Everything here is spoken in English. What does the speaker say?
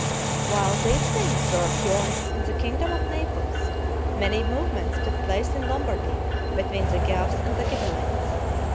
While these things were occurring in the kingdom of Naples, many movements took place in Lombardy between the Guelphs and the Ghibellines.